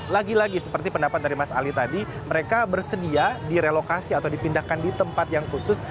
lagi lagi seperti pendapat dari mas ali tadi mereka bersedia direlokasi atau dipindahkan di tempat yang khusus